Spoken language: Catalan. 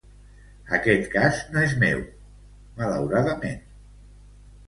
Aquest cas no és meu, malauradament.